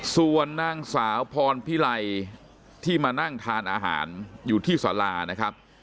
ส่วนนางสาวพรพิไลที่มานั่งทานอาหารอยู่ที่สารานะครับ